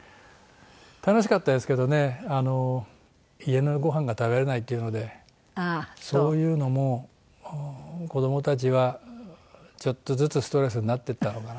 楽しかったですけどねあの家のごはんが食べられないっていうのでそういうのも子どもたちはちょっとずつストレスになっていったのかなと。